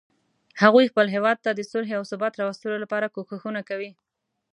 هغوی خپل هیواد ته د صلحې او ثبات راوستلو لپاره کوښښونه کوي